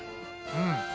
うん。